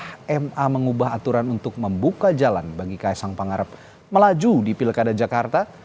apakah ma mengubah aturan untuk membuka jalan bagi kaisang pangarep melaju di pilkada jakarta